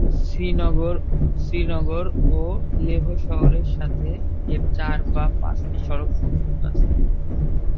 শ্রীনগর ও লেহ শহরের সাথে এর চার বা পাঁচটি সড়ক সংযোগ আছে।